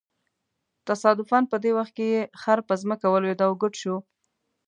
تصادفاً په دې وخت کې یې خر په ځمکه ولویېد او ګوډ شو.